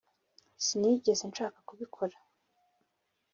sinigeze nshaka kubikora.